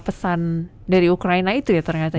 pesan dari ukraina itu ya ternyata ya